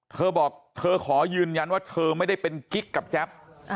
เธอบอกเธอขอยืนยันว่าเธอไม่ได้เป็นกิ๊กกับแจ๊บ